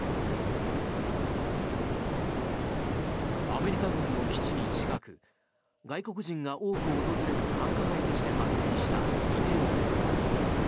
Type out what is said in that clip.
アメリカ軍の基地に近く外国人が多く訪れる繁華街として発展した梨泰院。